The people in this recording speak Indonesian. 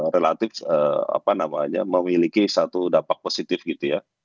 relatif memiliki satu dampak positif gitu ya